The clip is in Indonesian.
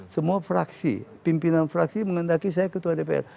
semua fraksi pimpinan fraksi menghendaki saya ketua dpr